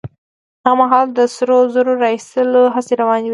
هغه مهال د سرو زرو را ايستلو هڅې روانې وې.